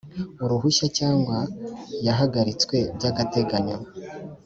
Uruhushya cyangwa yahagaritswe by agateganyo